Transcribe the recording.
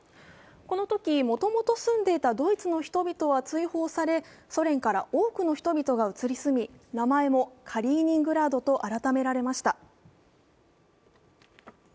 このとき、もともと住んでいたドイツの人々は追放されソ連から多くの人々が移り住み、名前もカリーニングラードと改められました。